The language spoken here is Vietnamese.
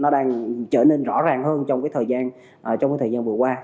đang trở nên rõ ràng hơn trong thời gian vừa qua